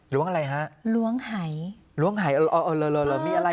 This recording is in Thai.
ล้วงอะไรฮะล้วงไห่ล้วงไห่เออเออเออเออเออเออมีอะไร